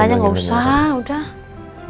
makanya gak usah udah